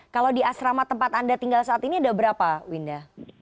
kalau di asrama tempat anda tinggal saat ini ada berapa winda